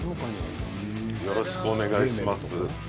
よろしくお願いします。